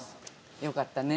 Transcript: よかったね。